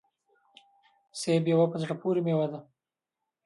سيب يوه په زړه پوري ميوه ده